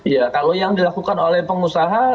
ya kalau yang dilakukan oleh pengusaha